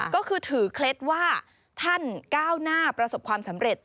ก็คือถือเคล็ดว่าท่านก้าวหน้าประสบความสำเร็จ